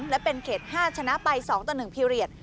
และเป็นเขต๕ชนะไป๒ต่อ๑พีเรียส